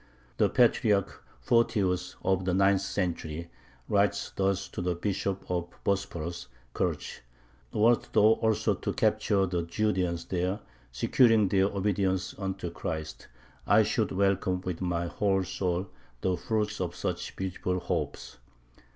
The Patriarch Photius, of the ninth century, writes thus to the Bishop of Bosporus (Kerch): "Wert thou also to capture the Judeans there, securing their obedience unto Christ, I should welcome with my whole soul the fruits of such beautiful hopes."